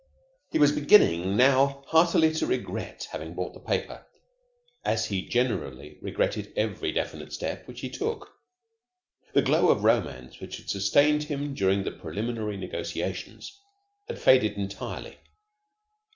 He was beginning now heartily to regret having bought the paper, as he generally regretted every definite step which he took. The glow of romance which had sustained him during the preliminary negotiations had faded entirely.